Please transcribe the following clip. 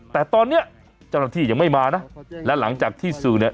แต่ตอนนี้เจ้าหน้าที่ยังไม่มานะและหลังจากที่สื่อเนี่ย